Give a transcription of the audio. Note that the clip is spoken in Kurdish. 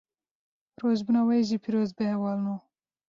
Rojbûna we jî piroz be hevalno